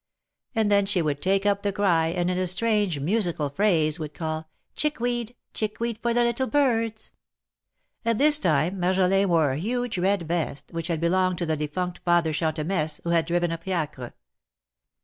And then she would take up the cry, and in a strange, musical phrase would call : Chickweed ! chickweed for the little birds !" At this time Marjolin wore a huge red vest, which had belonged to the defunct Father Chantemesse, who had driven a fiacre.